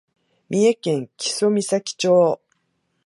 三重県木曽岬町